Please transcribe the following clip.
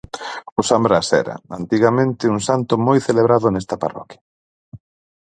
O San Brás era, antigamente, un santo moi celebrado nesta parroquia